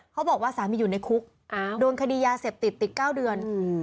เขาบอกว่าสามีอยู่ในคุกโดนคดียาเสพติดติด๙เดือน